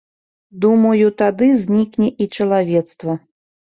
Думаю, тады знікне і чалавецтва.